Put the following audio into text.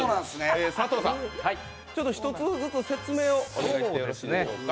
佐藤さん、１つずつ説明をお願いしていいですか。